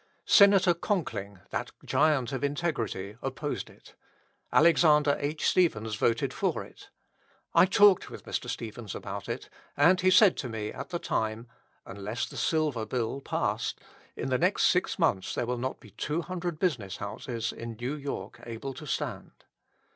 Senator Conkling, that giant of integrity, opposed it. Alexander H. Stephens voted for it. I talked with Mr. Stephens about it, and he said to me at the time, "Unless the Silver Bill pass, in the next six months there will not be two hundred business houses in New York able to stand."